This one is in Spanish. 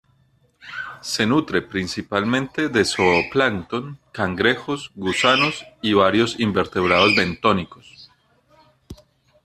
Se nutre principalmente de zooplancton, cangrejos, gusanos y varios invertebrados bentónicos.